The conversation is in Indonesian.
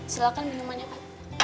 silakan minumannya pak